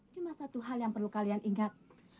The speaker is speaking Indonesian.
cuma satu hal yang perlu kalian ingat